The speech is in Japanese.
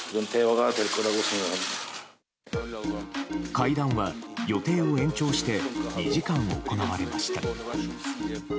会談は予定を延長して、２時間行われました。